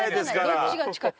どっちが近い？